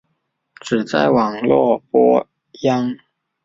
只在网络播映。